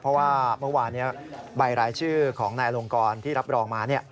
เพราะว่าเมื่อวานนี้ใบรายชื่อของนายอลงกรที่รับรองมา